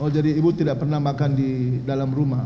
jadi ibu tidak pernah makan di dalam rumah